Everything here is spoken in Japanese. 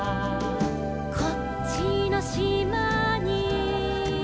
「こっちのしまに」